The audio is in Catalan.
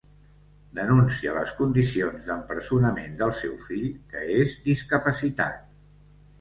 Denuncia les condicions d'empresonament del seu fill, que és discapacitat.